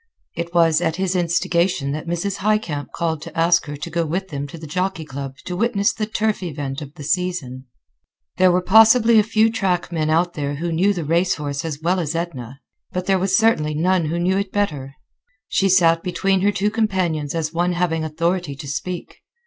It was at his instigation that Mrs. Highcamp called to ask her to go with them to the Jockey Club to witness the turf event of the season. There were possibly a few track men out there who knew the race horse as well as Edna, but there was certainly none who knew it better. She sat between her two companions as one having authority to speak.